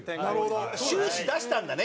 収支、出したんだね！